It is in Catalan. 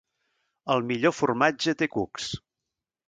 El millor formatge té cucs.